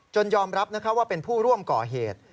ยอมรับว่าเป็นผู้ร่วมก่อเหตุ